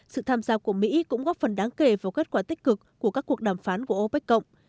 sự tham gia của mỹ cũng góp phần đáng kể vào kết quả tích cực của các cuộc đàm phán của opec cộng